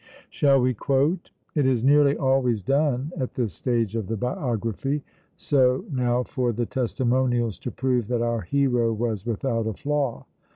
Shall we quote? It is nearly always done at this stage of the biography, so now for the testimonials to prove that our hero was without a flaw.